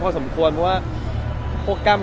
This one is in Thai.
อ๋อน้องมีหลายคน